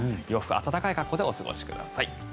洋服、暖かい格好でお過ごしください。